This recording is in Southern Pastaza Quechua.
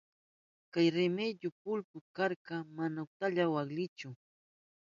Chay rimillu pulbu kashpan mana utkalla waklinchu.